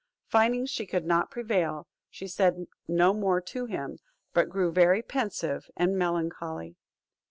Finding she could not prevail, she said no more to him, but grew very pensive and melancholy.